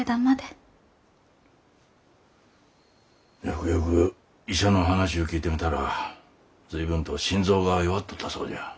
よくよく医者の話ゅう聞いてみたら随分と心臓が弱っとったそうじゃ。